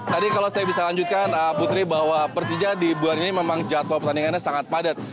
tadi kalau saya bisa lanjutkan putri bahwa persija di bulan ini memang jadwal pertandingannya sangat padat